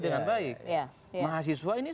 dengan baik mahasiswa ini